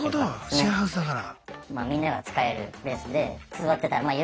シェアハウスだから。